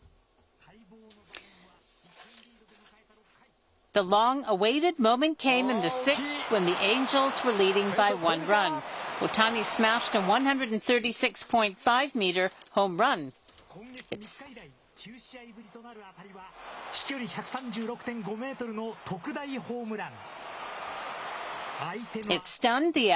今月３日以来、９試合ぶりとなる当たりは、飛距離１３６．５メートルの特大ホームラン。